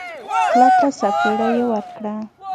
کلکه سپېړه يې ورکړه.